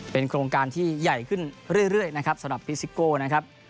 เป็นโครงการที่ใหญ่ขึ้นเรื่อยนะครับสำหรับฟิซิโก้นะครับ